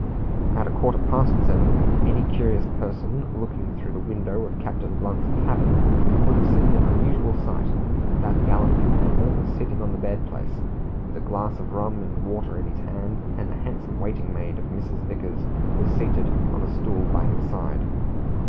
At a quarter past seven, any curious person looking through the window of Captain Blunt's cabin would have seen an unusual sight. That gallant commander was sitting on the bed place, with a glass of rum and water in his hand, and the handsome waiting maid of Mrs. Vickers was seated on a stool by his side.